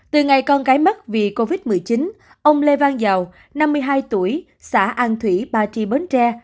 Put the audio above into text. từ ngày con gái mất vì covid một mươi chín ông lê văn giàu năm mươi hai tuổi xã an thủy ba tri bến tre